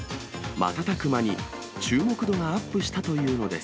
瞬く間に注目度がアップしたというのです。